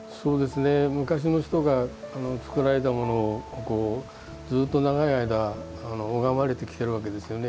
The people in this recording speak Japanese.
昔の人が作られたものずっと、長い間拝まれてきてるわけですよね。